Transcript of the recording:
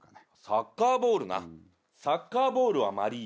サッカーボールなサッカーボールはまりぃ